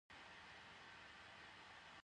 افغانستان د بادام د پلوه ځانته ځانګړتیا لري.